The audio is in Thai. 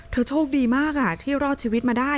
เธอโชคดีมากอ่ะที่รอดชีวิตมาได้อ่ะ